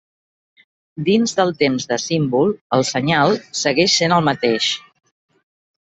Dins del temps de símbol el senyal segueix sent el mateix.